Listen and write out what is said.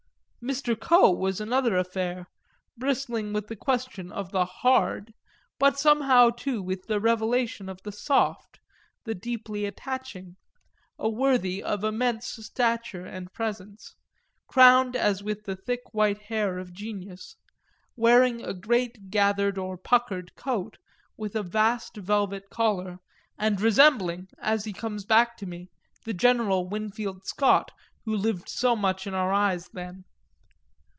Mr. Coe was another affair, bristling with the question of the "hard," but somehow too with the revelation of the soft, the deeply attaching; a worthy of immense stature and presence, crowned as with the thick white hair of genius, wearing a great gathered or puckered cloak, with a vast velvet collar, and resembling, as he comes back to me, the General Winfield Scott who lived so much in our eyes then.